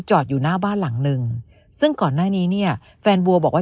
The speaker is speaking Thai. อยู่หน้าบ้านหลังนึงซึ่งก่อนหน้านี้เนี่ยแฟนบัวบอกว่า